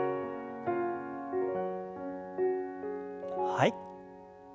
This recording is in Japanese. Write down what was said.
はい。